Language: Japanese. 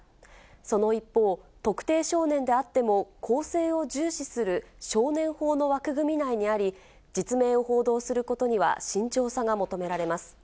その一方、特定少年であっても更生を重視する少年法の枠組み内にあり、実名を報道することには慎重さが求められます。